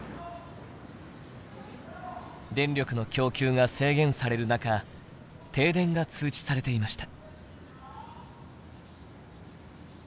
電力の供給が制限される中停電が通知されていました。